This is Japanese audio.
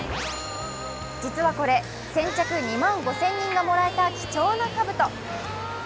実はこれ、先着２万５０００人がもらえた貴重なかぶと。